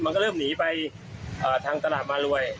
มันก็เริ่มหนีไปทางตลาดมารวย